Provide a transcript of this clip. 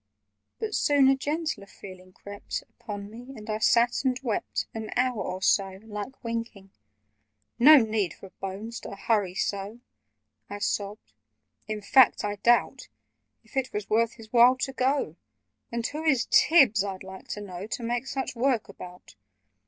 But soon a gentler feeling crept Upon me, and I sat and wept An hour or so, like winking. "No need for Bones to hurry so!" I sobbed. "In fact, I doubt If it was worth his while to go— And who is Tibbs, I'd like to know, To make such work about?